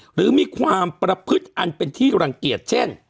หรือมีความประพฤติอันเป็นที่รังเกียจเช่น